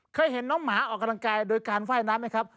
เคยเห็นน้องหมาออกกำลังกายโดยการว่ายน้ำไหมครับ